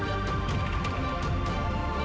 pada orang kami yangpcfa